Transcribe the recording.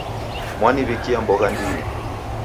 Mwaniw'ikia mbogha ndini.